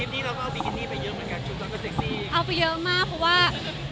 มาเยอะมากเพราะว่า